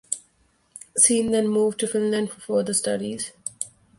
Sen then moved to Finland for further studies.